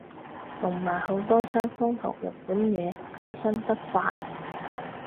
同埋好多西方同日本嘢更新得快